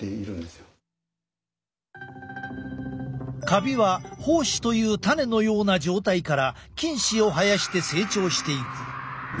カビは胞子という種のような状態から菌糸を生やして成長していく。